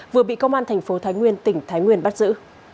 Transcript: vừa bị công an thành phố thái nguyên tỉnh thái nguyên bắt giữ